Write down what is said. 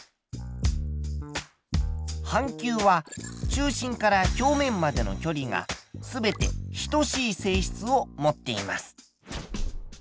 半球は中心から表面までの距離が全て等しい性質を持っています。